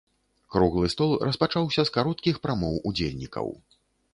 Круглы стол распачаўся з кароткіх прамоў удзельнікаў.